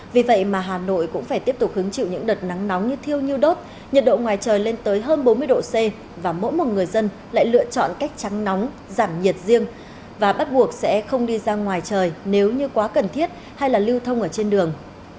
vì vậy mà hà nội cũng phải tiếp tục hứng chịu những đợt nắng nóng như thiêu như đốt nhiệt độ ngoài trời lên tới hơn bốn mươi độ c và mỗi một người dân lại lựa chọn cách trắng nóng giảm nhiệt riêng và bắt buộc sẽ không đi ra ngoài trời nếu như quá cần thiết hay là lưu thông ở trên đường